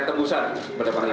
ya keputusan kepada panglima